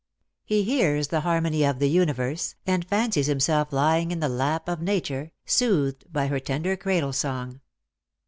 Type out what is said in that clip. He hears the harmony of the universe, and fancies himself lying in the lap of Nature, soothed by her tender cradle song.